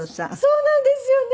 そうなんですよね。